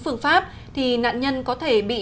phương pháp thì nạn nhân có thể bị